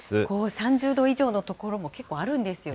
３０度以上の所も結構あるんですよね。